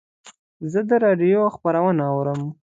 زه د رادیو خپرونه اورم.